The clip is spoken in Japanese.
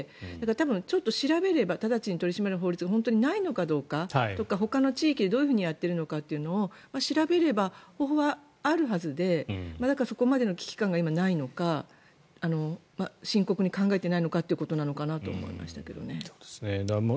多分、ちょっと調べれば直ちに取り締まる法律が本当にないのかどうかとかほかの地域でどういうふうにやっているのかを調べれば方法があるはずでそこまでの危機感が今、ないのか深刻に考えていないのかということなのかなと思いましたけどね。